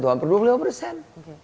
hampir dua puluh lima persen